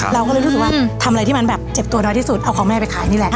เราก็เลยรู้สึกว่าทำอะไรที่มันแบบเจ็บตัวน้อยที่สุดเอาของแม่ไปขายนี่แหละค่ะ